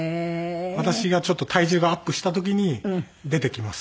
私がちょっと体重がアップした時に出てきます。